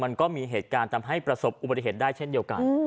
มันก็มีเหตุการณ์ทำให้ประสบอุบัติเหตุได้เช่นเดียวกัน